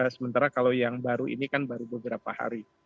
sementara kalau yang baru ini kan baru beberapa hari